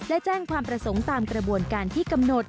และแจ้งความประสงค์ตามกระบวนการที่กำหนด